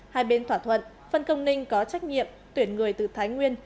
hai bên thỏa thuận phân công ninh có trách nhiệm tuyển người từ thái nguyên